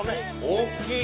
大っきい！